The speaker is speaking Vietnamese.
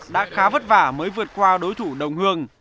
đã khá vất vả mới vượt qua đối thủ đồng hương